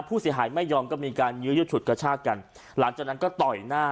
ผู้เสียหายไม่ยอมก็มีการยื้อยุดฉุดกระชากกันหลังจากนั้นก็ต่อยหน้า